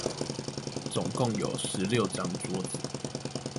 總共有十六張桌子